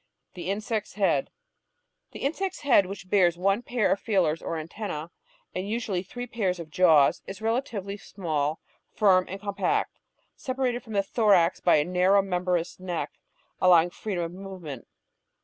The Insect's Head The insect's head, which bears one pair of feelers or antennae and usually three pairs of jaws, is relatively small, firm, and compact, separated from the thorax by a narrow membranous neck allowing freedom of movement.